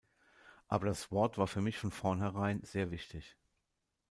Aber das Wort war für mich von vornherein sehr wichtig.